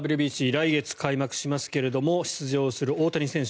来月開幕しますけれども出場する大谷選手